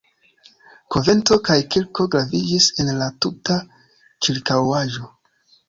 Konvento kaj kirko graviĝis en la tuta ĉirkaŭaĵo.